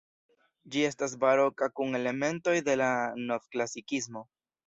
Ĝi estas baroka kun elementoj de la novklasikismo.